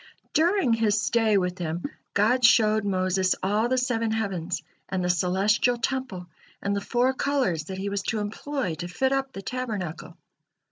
During his stay with Him, God showed Moses all the seven heavens, and the celestial temple, and the four colors that he was to employ to fit up the tabernacle.